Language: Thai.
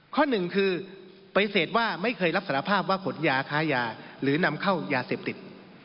ข้อหนึ่งคือปฏิเสธว่าไม่เคยรับสารภาพว่าขนยาค้ายาหรือนำเข้ายาเสพติด